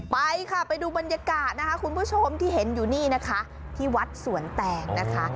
ไปค่ะไปดูบรรยากาศนะคะคุณผู้ชมที่เห็นอยู่นี่นะคะที่วัดสวนแตงนะคะ